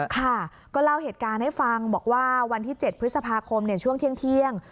ค่ะก็เล่าเหตุการณ์ให้ฟังบอกว่าวันที่๗พฤษภาคมช่วงเที่ยง